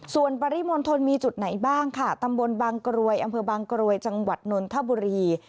ส่วนปริมณฑลมีจุดไหนบ้างค่ะตำบลบางกรวยอำเภอบางกรวยจังหวัดนนทบุรี